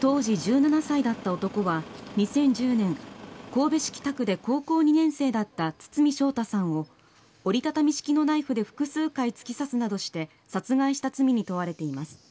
当時１７歳だった男は２０１０年神戸市北区で高校２年生だった堤将太さんを折り畳み式のナイフで複数回突き刺すなどして殺害した罪に問われています。